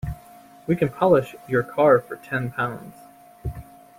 We can polish your car for ten pounds.